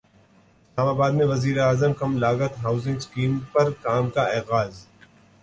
اسلام اباد میں وزیراعظم کم لاگت ہاسنگ اسکیم پر کام کا اغاز